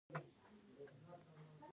ګڼ شمېر وګړي له کورونو او ځمکو ایستل شوي وو